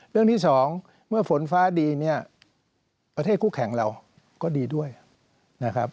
เรื่องที่สองเมื่อฝนฟ้าดีเนี่ยประเทศคู่แข่งเราก็ดีด้วยนะครับ